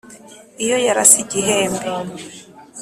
Iyo yarase igihembe